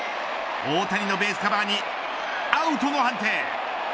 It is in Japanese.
大谷のベースカバーにアウトの判定。